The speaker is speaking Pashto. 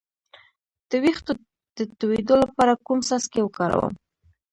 د ویښتو د تویدو لپاره کوم څاڅکي وکاروم؟